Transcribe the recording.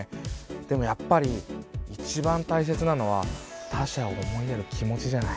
でもやっぱりいちばんたいせつなのは他者を思いやる気持ちじゃない？